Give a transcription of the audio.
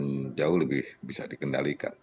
dan jauh lebih bisa dikendalikan